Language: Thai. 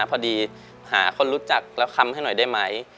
พอดีหาคนรู้จักแล้วคำให้หน่อยได้ไหม